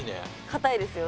硬いですよ。